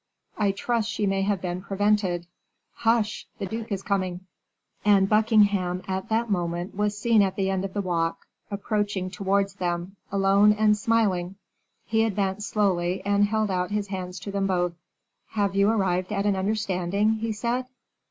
I trust she may have been prevented." "Hush! the duke is coming." And Buckingham at that moment was seen at the end of the walk, approaching towards them, alone and smiling; he advanced slowly, and held out his hands to them both. "Have you arrived at an understanding?" he said.